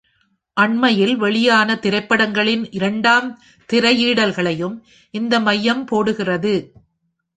அண்மையில் வெளியான திரைப்படங்களின் ‘இரண்டாம் திரையீடல்களையும்” இந்த மையம் போடுகிறது.